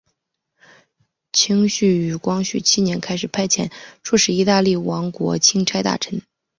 清廷于光绪七年开始派遣出使意大利王国钦差大臣。